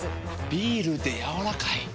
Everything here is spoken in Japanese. ビールでやわらかい。